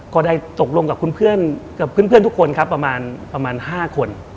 ก็ได้ตกลงกับเพื่อนทุกคนประมาณ๕คน